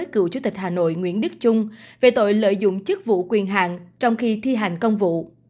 của chủ tịch hà nội nguyễn đức dung về tội lợi dụng chức vụ quyền hạng trong khi thi hành công vụ